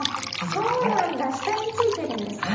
そうなんだ下についてるんですか。